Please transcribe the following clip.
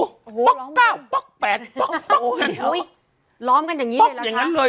โอ้โหป๊อกเก้าป๊อกแปดป๊อกป๊อกโอ้ยล้อมกันอย่างงี้เลยป๊อกอย่างงั้นเลย